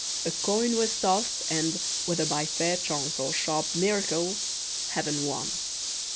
A coin was tossed and, whether by fair chance or sharp miracle, Heaven won.